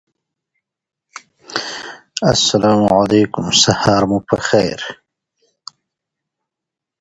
McCall MacBain currently devotes his time to non-profit activities.